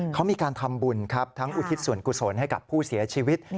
เขามีการทำบุญครับทั้งอุทิศส่วนกุศลให้กับผู้เสียชีวิต